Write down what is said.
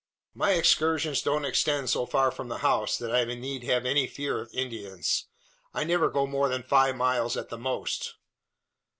"My excursions don't extend so far from the house, that I need have any fear of Indians. I never go more than five miles at the most."